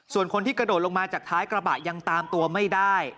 ส่วนคนที่กระโดดลงมาจากท้ายกระบะยังตามตัวไม่ได้